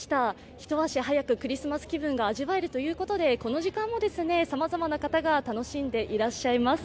一足早くクリスマス気分が味わえるということでこの時間もさまざまな方が楽しんでいらっしゃいます。